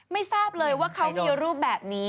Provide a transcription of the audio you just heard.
ไม่ทราบเลยว่าเขามีรูปแบบนี้